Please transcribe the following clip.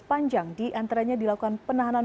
panjang diantaranya dilakukan penahanan